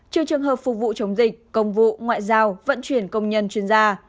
trừ trường hợp phục vụ chống dịch công vụ ngoại giao vận chuyển công nhân chuyên gia